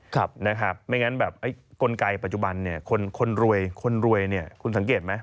ไม่อย่างนั้นกลไกปัจจุบันคนรวยคุณสังเกตไหม